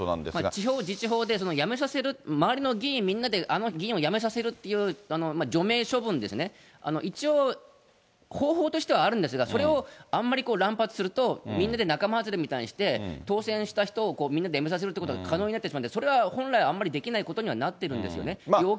地方自治法で辞めさせる、周りの議員みんなであの議員を辞めさせる、除名処分ですね、一応、方法としてはあるんですが、それをあんまり乱発すると、みんなで仲間外れみたいにして、当選した人をみんなで辞めさせるということを可能になってしまうんで、それは本来はあんまりできないことにはなってるんですよね。